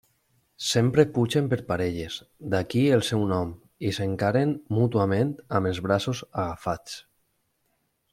Sempre pugen per parelles, d'aquí el seu nom, i s'encaren mútuament amb els braços agafats.